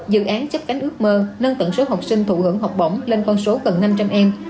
dự án chấp cánh ước mơ nâng tổng số học sinh thụ hưởng học bổng lên con số gần năm trăm linh em